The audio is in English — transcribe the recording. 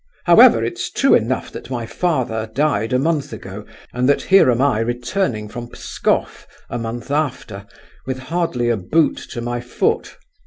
"However, it's true enough that my father died a month ago, and that here am I returning from Pskoff, a month after, with hardly a boot to my foot.